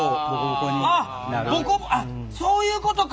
あっボコそういうことか！